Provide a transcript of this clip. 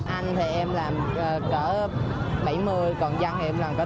anh thì em làm cỡ bảy mươi còn dân thì em làm cỡ tám mươi